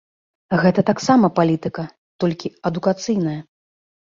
Гэта таксама палітыка, толькі адукацыйная.